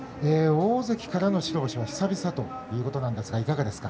大関からの白星は久々ということですが、いかがですか？